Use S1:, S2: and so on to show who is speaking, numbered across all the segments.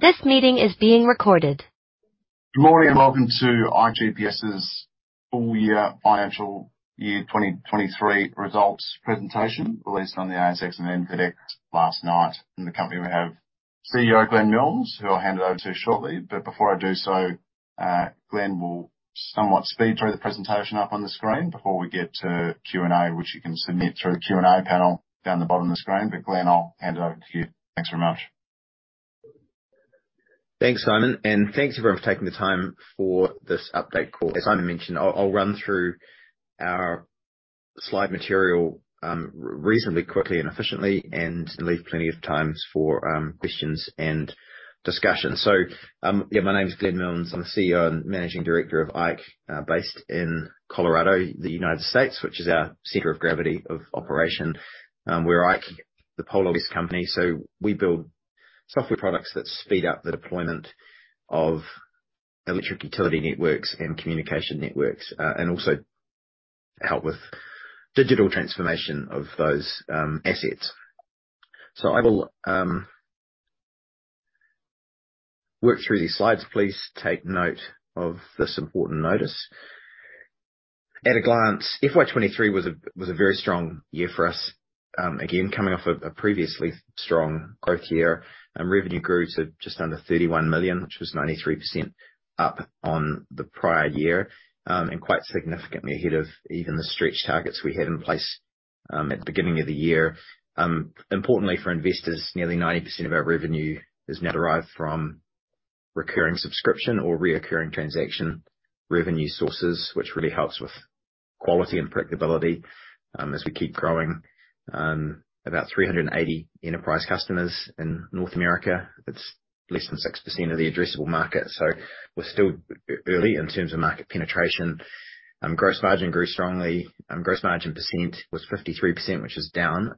S1: Good morning, welcome to ikeGPS's full year financial year 2023 results presentation, released on the ASX and NZX last night. In the company, we have CEO, Glenn Milnes, who I'll hand it over to shortly. Before I do so, Glenn will somewhat speed through the presentation up on the screen before we get to Q and A, which you can submit through the Q and A panel down the bottom of the screen. Glenn, I'll hand it over to you. Thanks very much.
S2: Thanks, Simon, and thanks everyone for taking the time for this update call. As Simon mentioned, I'll run through our slide material reasonably, quickly, and efficiently, and leave plenty of times for questions and discussion. My name is Glenn Milnes. I'm the CEO and Managing Director of IKE, based in Colorado, the United States, which is our center of gravity of operation. We're IKE, the PoleOS Company, so we build software products that speed up the deployment of electric utility networks and communication networks, and also help with digital transformation of those assets. I will work through these slides. Please take note of this important notice. At a glance, FY2023 was a very strong year for us. Again, coming off a previously strong growth year. Revenue grew to just under $31 million, which was 93% up on the prior year, and quite significantly ahead of even the stretch targets we had in place at the beginning of the year. Importantly for investors, nearly 90% of our revenue is now derived from recurring subscription or reoccurring transaction revenue sources, which really helps with quality and predictability as we keep growing. About 380 enterprise customers in North America, it's less than 6% of the addressable market, so we're still early in terms of market penetration. Gross margin grew strongly. Gross margin percent was 53%, which is down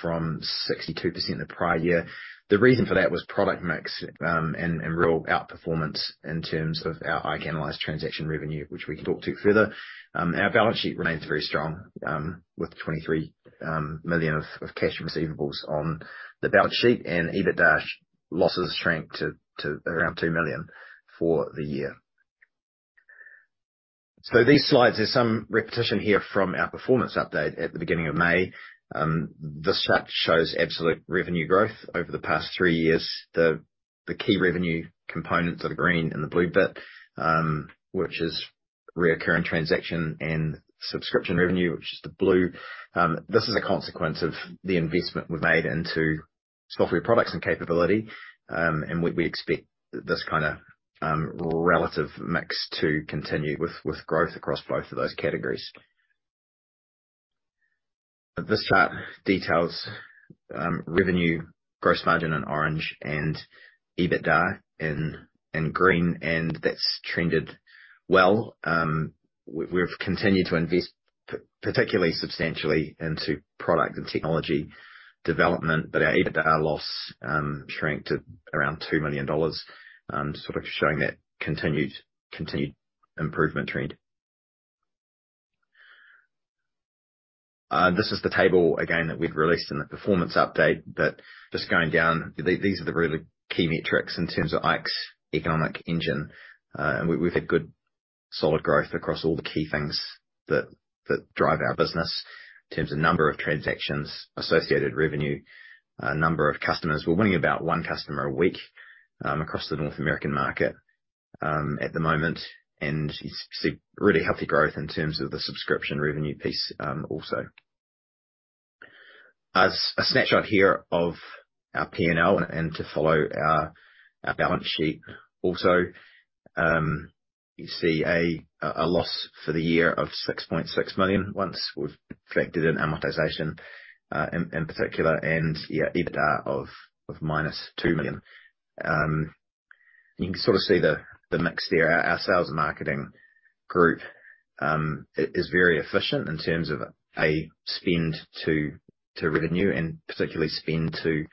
S2: from 62% the prior year. The reason for that was product mix, and real outperformance in terms of our IKE Analyze transaction revenue, which we can talk to further. Our balance sheet remains very strong, with 23 million of cash receivables on the balance sheet, and EBITDA losses shrank to around 2 million for the year. These slides, there's some repetition here from our performance update at the beginning of May. This chart shows absolute revenue growth over the past three years. The key revenue components are the green and the blue bit, which is recurring transaction and subscription revenue, which is the blue. This is a consequence of the investment we've made into software products and capability. We expect this kind of relative mix to continue with growth across both of those categories. This chart details revenue, gross margin in orange, and EBITDA in green, and that's trended well. We've continued to invest particularly substantially into product and technology development, but our EBITDA loss shrank to around 2 million dollars. Sort of showing that continued improvement trend. This is the table again, that we'd released in the performance update, but just going down, these are the really key metrics in terms of IKE's economic engine. We've had good solid growth across all the key things that drive our business in terms of number of transactions, associated revenue, number of customers. We're winning about one customer a week across the North American market at the moment. You see really healthy growth in terms of the subscription revenue piece also. Snapshot here of our P&L, and to follow our balance sheet also, you see a loss for the year of 6.6 million, once we've reflected in amortization in particular, and yeah, EBITDA of -2 million. You can sort of see the mix there. Our sales and marketing group is very efficient in terms of a spend to revenue, and particularly spend to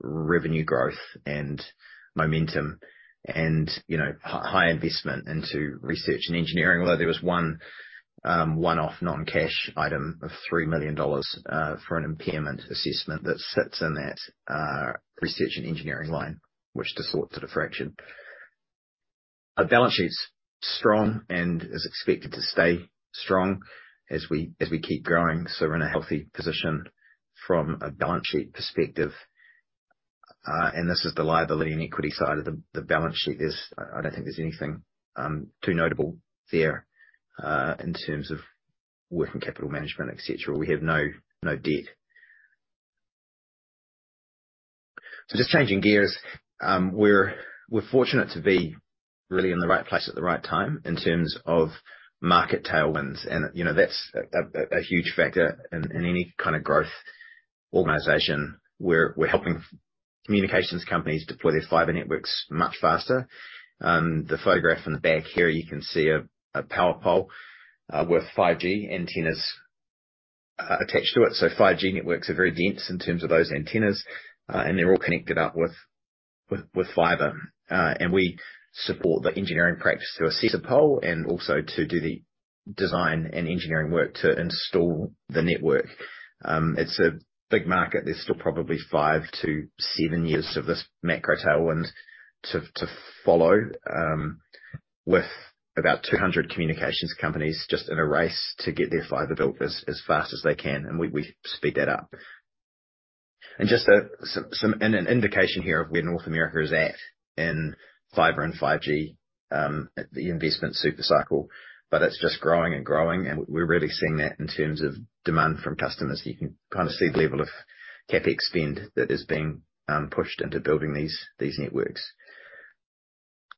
S2: revenue growth and momentum and, you know, high investment into research and engineering. There was one one-off non-cash item of 3 million dollars for an impairment assessment that sits in that research and engineering line, which distorts it a fraction. Our balance sheet's strong and is expected to stay strong as we keep growing, we're in a healthy position from a balance sheet perspective. This is the liability and equity side of the balance sheet. I don't think there's anything too notable there in terms of working capital management, et cetera. We have no debt. Just changing gears, we're fortunate to be really in the right place at the right time in terms of market tailwinds, and, you know, that's a huge factor in any kind of growth organization, where we're helping communications companies deploy their fiber networks much faster. The photograph in the back here, you can see a power pole with 5G antennas attached to it. 5G networks are very dense in terms of those antennas, and they're all connected up with fiber. We support the engineering practice to assess a pole and also to do the design and engineering work to install the network. It's a big market. There's still probably five to seven years of this macro tailwind to follow, with about 200 communications companies just in a race to get their fiber built as fast as they can, and we speed that up. Just some indication here of where North America is at in fiber and 5G, the investment super cycle, but it's just growing and growing, and we're really seeing that in terms of demand from customers. You can kind of see the level of CapEx spend that is being pushed into building these networks.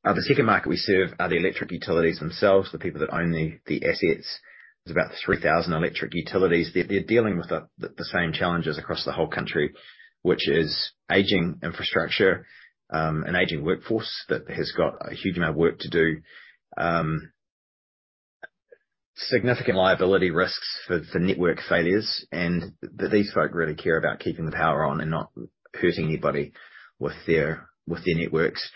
S2: The second market we serve are the electric utilities themselves, the people that own the assets. There's about 3,000 electric utilities. They're dealing with the same challenges across the whole country, which is aging infrastructure, an aging workforce that has got a huge amount of work to do. Significant liability risks for network failures, and these folk really care about keeping the power on and not hurting anybody with their networks.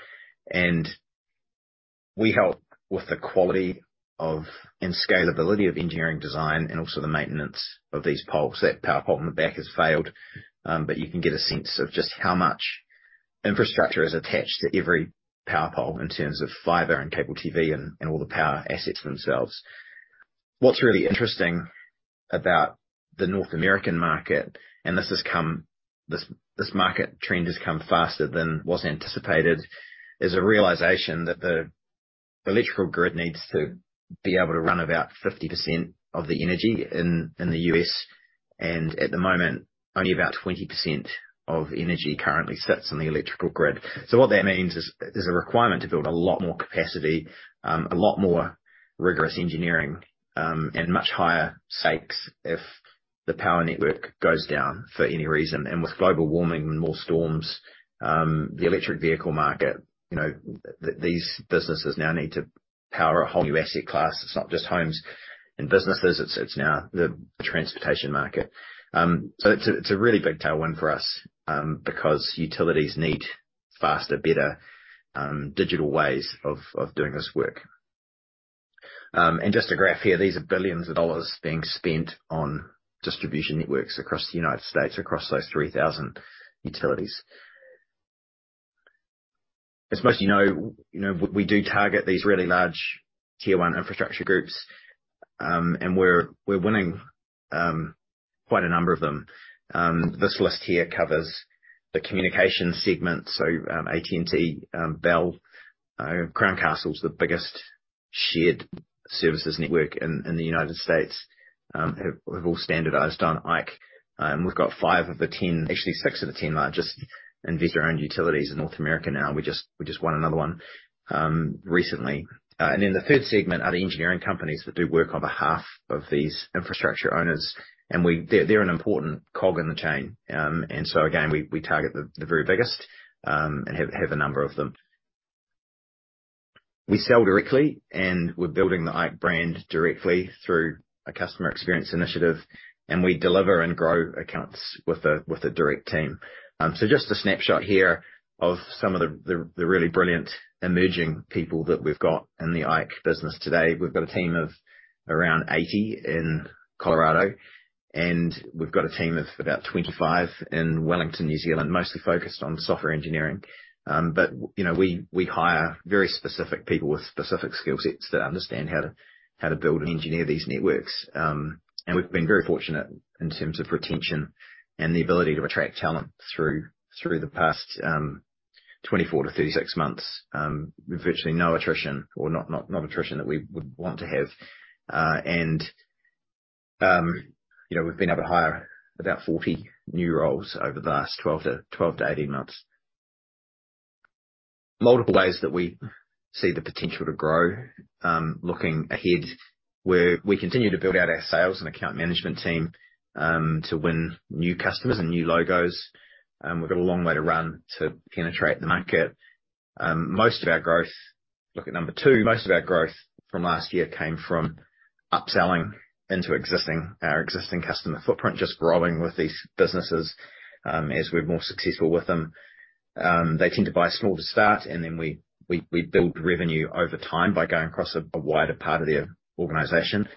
S2: We help with the quality of, and scalability of engineering design, and also the maintenance of these poles. That power pole in the back has failed, but you can get a sense of just how much infrastructure is attached to every power pole in terms of fiber, and cable TV, and all the power assets themselves. What's really interesting about the North American market, this market trend has come faster than was anticipated, is a realization that the electrical grid needs to be able to run about 50% of the energy in the U.S. At the moment, only about 20% of energy currently sits on the electrical grid. What that means is, there's a requirement to build a lot more capacity, a lot more rigorous engineering, much higher stakes if the power network goes down for any reason. With global warming and more storms, the electric vehicle market, you know, these businesses now need to power a whole new asset class. It's not just homes and businesses, it's now the transportation market. It's a, it's a really big tailwind for us, because utilities need faster, better, digital ways of doing this work. Just a graph here. These are billions of dollars being spent on distribution networks across the United States, across those 3,000 utilities. As most of you know, you know, we do target these really large Tier 1 infrastructure groups, we're winning quite a number of them. This list here covers the communication segment, so AT&T, Bell. Crown Castle is the biggest shared services network in the United States, have all standardized on IKE. We've got five of the 10, actually six of the 10 largest Investor-Owned Utilities in North America now. We just won another one recently. The third segment are the engineering companies that do work on behalf of these infrastructure owners. They're an important cog in the chain. Again, we target the very biggest and have a number of them. We sell directly, and we're building the IKE brand directly through a customer experience initiative, and we deliver and grow accounts with a direct team. Just a snapshot here of some of the really brilliant, emerging people that we've got in the IKE business today. We've got a team of around 80 in Colorado, and we've got a team of about 25 in Wellington, New Zealand, mostly focused on software engineering. You know, we hire very specific people with specific skill sets that understand how to build and engineer these networks. We've been very fortunate in terms of retention and the ability to attract talent through the past, 24 to 36 months. Virtually no attrition or not attrition that we would want to have. You know, we've been able to hire about 40 new roles over the last 12 to 18 months. Multiple ways that we see the potential to grow. Looking ahead, we continue to build out our sales and account management team, to win new customers and new logos. We've got a long way to run to penetrate the market. Most of our growth. Look at number two. Most of our growth from last year came from upselling into our existing customer footprint, just growing with these businesses, as we're more successful with them. They tend to buy small to start, and then we build revenue over time by going across a wider part of their organization.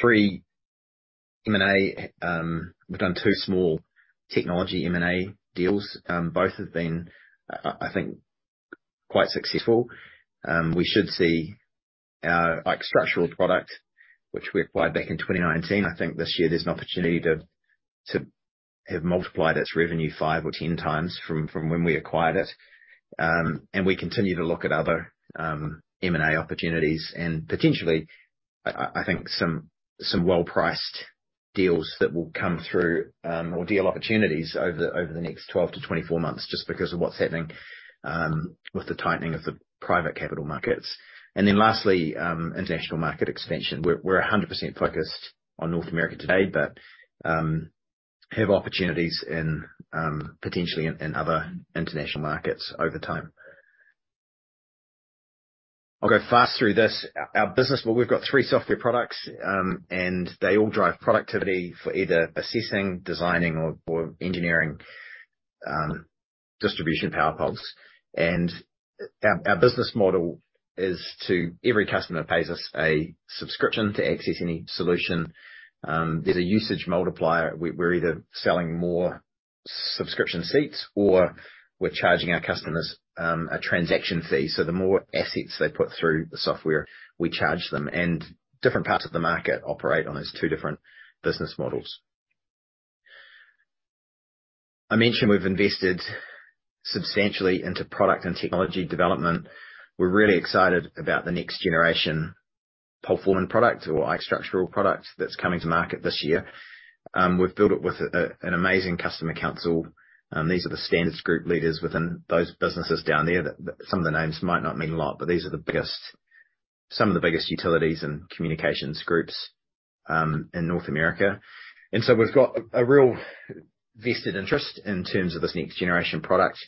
S2: Three, M&A. We've done two small technology M&A deals. Both have been, I think, quite successful. We should see our IKE Structural product, which we acquired back in 2019, I think this year there's an opportunity to have multiplied its revenue five or 10 times from when we acquired it. We continue to look at other M&A opportunities, and potentially, I think some well-priced deals that will come through, or deal opportunities over the next 12-24 months, just because of what's happening with the tightening of the private capital markets. Lastly, international market expansion. We're 100% focused on North America today, but have opportunities in potentially in other international markets over time. I'll go fast through this. Our business, well, we've got three software products, and they all drive productivity for either assessing, designing, or engineering distribution power poles. Our business model is to every customer pays us a subscription to access any solution. There's a usage multiplier. We're either selling more subscription seats or we're charging our customers a transaction fee. The more assets they put through the software, we charge them, and different parts of the market operate on these two different business models. I mentioned we've invested substantially into product and technology development. We're really excited about the next generation IKE PoleForeman product or IKE Structural product that's coming to market this year. We've built it with an amazing customer council. These are the standards group leaders within those businesses down there, that some of the names might not mean a lot, but these are some of the biggest utilities and communications groups in North America. We've got a real vested interest in terms of this next generation product.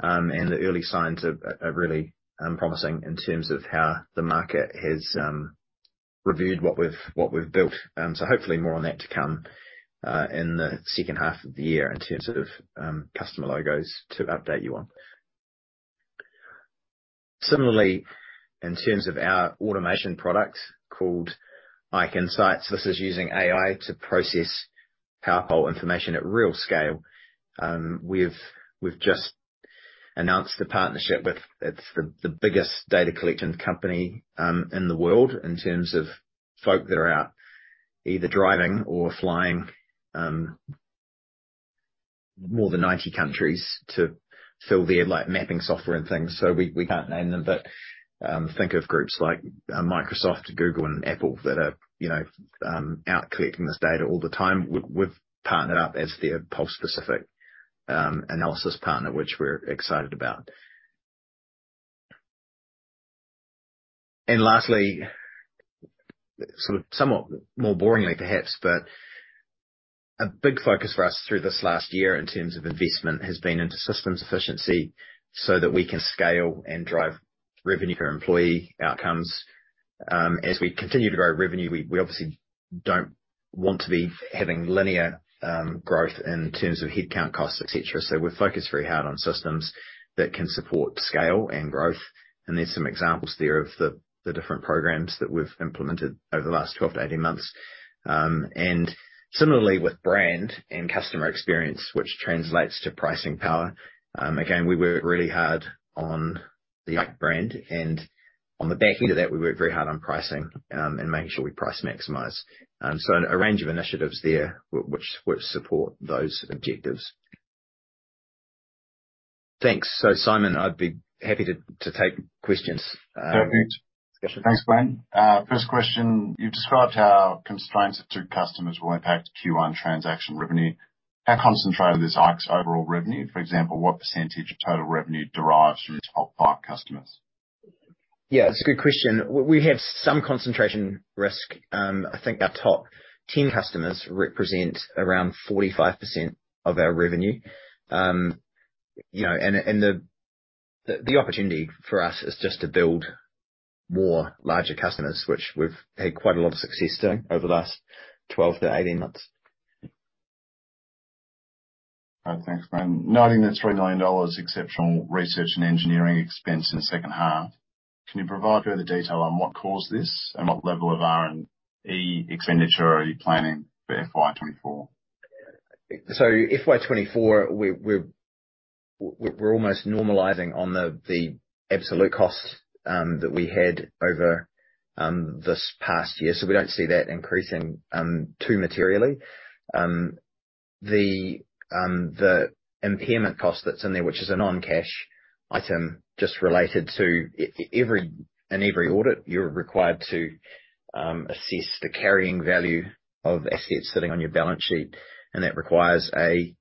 S2: The early signs are really promising in terms of how the market has reviewed what we've built. Hopefully more on that to come in the second half of the year in terms of customer logos to update you on. Similarly, in terms of our automation product called IKE Insight, this is using AI to process power pole information at real scale. We've just announced a partnership with. It's the biggest data collection company in the world, in terms of folk that are out either driving or flying, more than 90 countries to fill their, like, mapping software and things, we can't name them. Think of groups like Microsoft, Google, and Apple that are, you know, out collecting this data all the time. We've partnered up as their pole specific analysis partner, which we're excited about. Lastly, sort of, somewhat more boringly, perhaps, but a big focus for us through this last year in terms of investment, has been into systems efficiency, so that we can scale and drive revenue per employee outcomes. As we continue to grow revenue, we obviously don't want to be having linear growth in terms of headcount costs, et cetera. We're focused very hard on systems that can support scale and growth, and there's some examples there of the different programs that we've implemented over the last 12-18 months. Similarly, with brand and customer experience, which translates to pricing power. Again, we work really hard on the IKE brand, and on the back end of that, we work very hard on pricing, and making sure we price maximize. A range of initiatives there, which support those objectives. Thanks. Simon, I'd be happy to take questions.
S1: Perfect. Thanks, Glenn. First question, you've described how constraints to customers will impact Q1 transaction revenue. How concentrated is IKE's overall revenue? For example, what % of total revenue derives from its top five customers?
S2: Yeah, that's a good question. We have some concentration risk. I think our top 10 customers represent around 45% of our revenue. You know, and the opportunity for us is just to build more larger customers, which we've had quite a lot of success doing over the last 12 to 18 months.
S1: Thanks, Glenn. Noting that $3 million exceptional research and engineering expense in the second half, can you provide further detail on what caused this, and what level of R&E expenditure are you planning for FY2024?
S2: FY2024, we're almost normalizing on the absolute costs that we had over this past year, we don't see that increasing too materially. The impairment cost that's in there, which is a non-cash item, just related to every audit, you're required to assess the carrying value of assets sitting on your balance sheet, and that requires a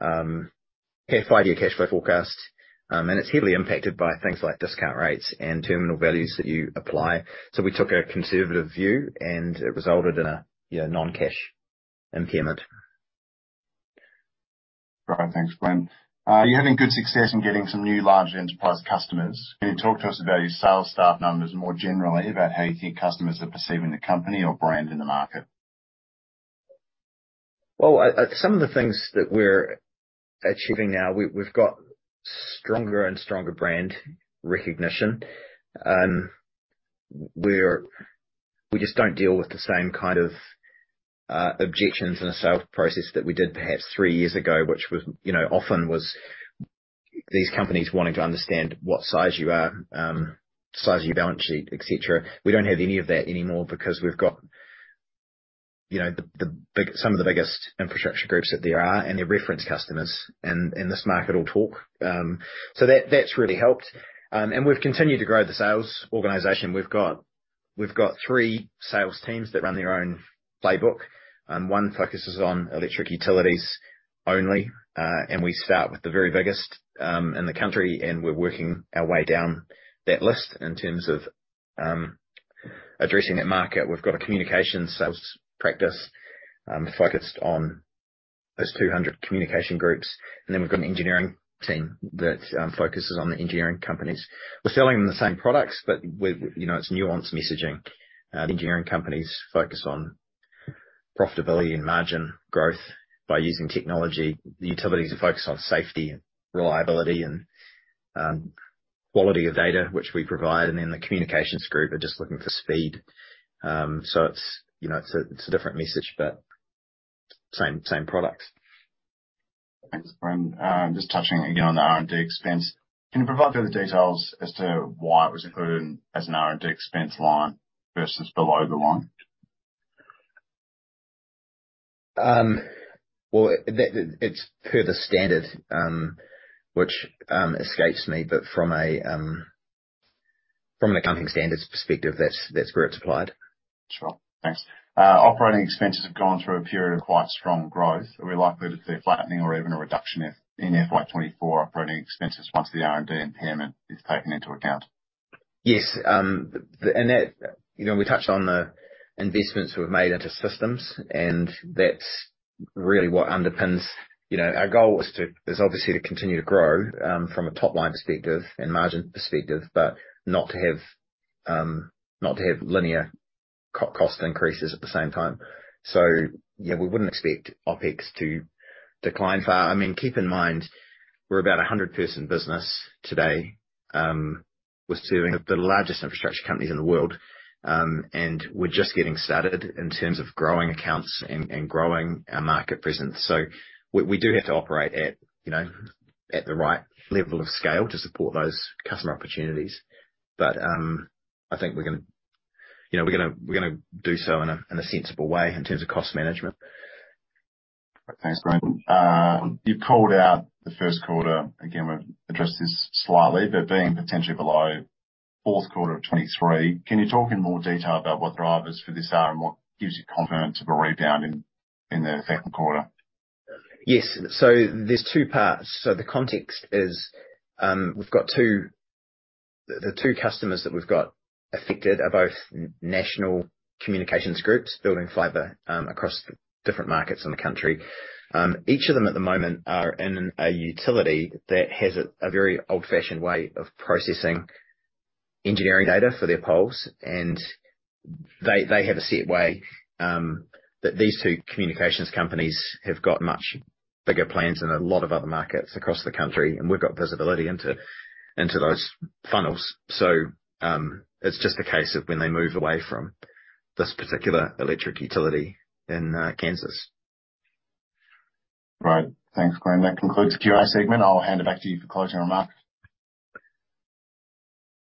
S2: five year cash flow forecast. It's heavily impacted by things like discount rates and terminal values that you apply. We took a conservative view, and it resulted in a, you know, non-cash impairment.
S1: Right. Thanks, Glenn. You're having good success in getting some new large enterprise customers. Can you talk to us about your sales staff numbers, more generally, about how you think customers are perceiving the company or brand in the market?
S2: Well, some of the things that we're achieving now, we've got stronger and stronger brand recognition. We just don't deal with the same kind of objections in the sales process that we did perhaps three years ago, which was, you know, often was these companies wanting to understand what size you are, size of your balance sheet, et cetera. We don't have any of that anymore because we've got, you know, some of the biggest infrastructure groups that there are, and they're reference customers, and this market will talk. That's really helped. We've continued to grow the sales organization. We've got three sales teams that run their own playbook. One focuses on electric utilities only, we start with the very biggest in the country, we're working our way down that list in terms of addressing that market. We've got a communication sales practice focused on 200 communication groups, we've got an engineering team that focuses on the engineering companies. We're selling them the same products, with, you know, it's nuanced messaging. The engineering companies focus on profitability and margin growth by using technology. The utilities are focused on safety and reliability and quality of data, which we provide. The communications group are just looking for speed. It's, you know, it's a different message, but same products.
S1: Thanks, Glenn. Just touching again on the R&D expense. Can you provide further details as to why it was included as an R&D expense line versus below the line?
S2: Well, it's per the standard, which escapes me. From a, from an accounting standards perspective, that's where it's applied.
S1: Sure. Thanks. Operating expenses have gone through a period of quite strong growth. Are we likely to see a flattening or even a reduction in FY2024 operating expenses once the R&D impairment is taken into account?
S2: Yes. That, you know, we touched on the investments we've made into systems, and that's really what underpins. You know, our goal is obviously to continue to grow from a top-line perspective and margin perspective, but not to have linear cost increases at the same time. Yeah, we wouldn't expect OpEx to decline far. I mean, keep in mind, we're about a 100-person business today. We're serving the largest infrastructure companies in the world, and we're just getting started in terms of growing accounts and growing our market presence. We, we do have to operate at, you know, at the right level of scale to support those customer opportunities. I think we're gonna do so in a sensible way in terms of cost management.
S1: Thanks, Glenn. You've called out the first quarter, again, we've addressed this slightly, but being potentially below fourth quarter of 2023, can you talk in more detail about what drivers for this are and what gives you confidence of a rebound in the second quarter?
S2: Yes. There's two parts. The context is, we've got two customers that we've got affected are both national communications groups building fiber across different markets in the country. Each of them, at the moment, are in a utility that has a very old-fashioned way of processing engineering data for their poles, and they have a set way that these two communications companies have got much bigger plans in a lot of other markets across the country, and we've got visibility into those funnels. It's just a case of when they move away from this particular electric utility in Kansas.
S1: Right. Thanks, Glenn. That concludes the Q and A segment. I'll hand it back to you for closing remarks.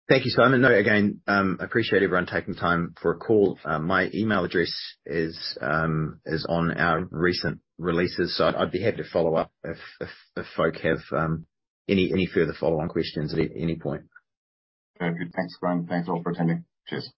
S2: Thank you, Simon. Again, appreciate everyone taking time for a call. My email address is on our recent releases, so I'd be happy to follow up if folk have any further follow-on questions at any point.
S1: Very good. Thanks, Glenn. Thanks, all, for attending. Cheers.